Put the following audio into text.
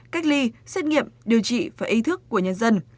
cách ly xét nghiệm điều trị và ý thức của nhân dân